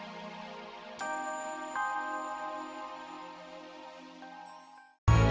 katanya umiku tentang